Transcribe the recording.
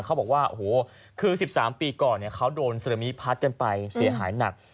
เขาบอกว่าโอ้โหคือ๑๓ปีก่อนเขาโดนซึนามิพัดกันไปเสียหายหนัก